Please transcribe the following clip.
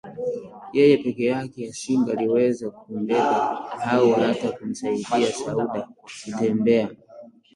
Yeye peke yake asingaliweza kumbeba au hata kumsaidia Sauda kutembea